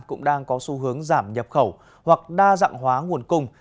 cũng đang có xu hướng giảm nhập khẩu hoặc đa dạng hóa nguồn cung